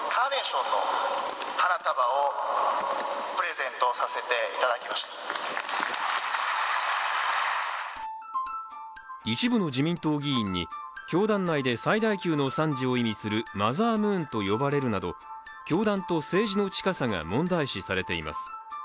ハン氏といえば一部の自民党議員に教団内で最大級の賛辞を意味するマザームーンと呼ばれるなど教団と政治の近さが問題視されています。